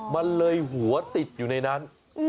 มันเลยหัวติดอยู่ในนั้น